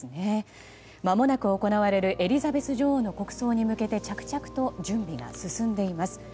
まもなく行われるエリザベス女王の国葬に向けて着々と準備が進んでいます。